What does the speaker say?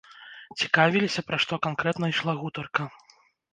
Цікавіліся, пра што канкрэтна ішла гутарка.